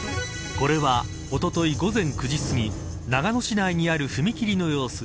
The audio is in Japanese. これは、おととい午前９時すぎ長野市内にある踏切の様子。